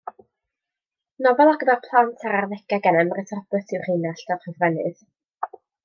Nofel ar gyfer plant a'r arddegau gan Emrys Roberts yw Rheinallt yr Hofrennydd.